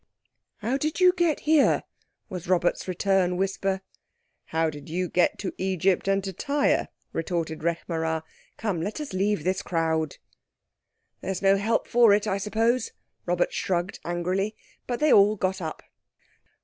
"How did you get here?" was Robert's return whisper. "How did you get to Egypt and to Tyre?" retorted Rekh marā. "Come, let us leave this crowd." "There's no help for it, I suppose," Robert shrugged angrily. But they all got up.